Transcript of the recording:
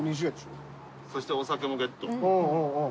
そしてお酒もゲット。